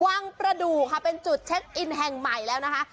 ประดูกค่ะเป็นจุดเช็คอินแห่งใหม่แล้วนะคะ